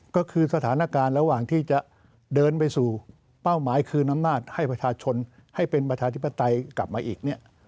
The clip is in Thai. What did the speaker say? ก็คือสถานการณ์ระหว่างที่จะเดินไปสู่เป้าหมายคืนอำนาจให้ประชาชนให้เป็นประชาธิปไตยกลับมาอีกเนี่ย